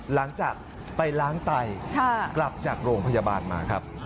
หลังจากไปล้างไต่นะครับ